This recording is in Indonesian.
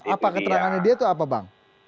apa keterangannya dia itu apa bang